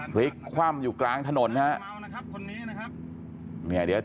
คลิกคว่ำอยู่กลางถนนนะครับ